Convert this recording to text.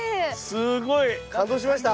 すごい。感動しました？